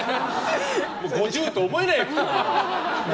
５０と思えない！